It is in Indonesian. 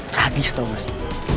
ragis tau gak sih